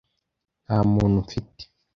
nta muntu mfite